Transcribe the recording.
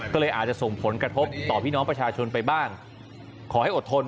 ก็เลยอาจจะส่งผลกระทบต่อพี่น้องประชาชนไปบ้างขอให้อดทน